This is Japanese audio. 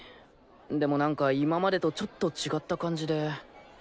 でも何か今までとちょっと違った感じで。